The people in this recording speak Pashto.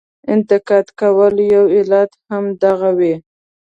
انتقاد کولو یو علت هم دغه وي.